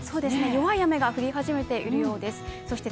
弱い雨が降り始めているようです。